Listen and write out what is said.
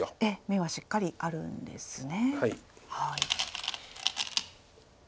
眼はしっかりあるんですね。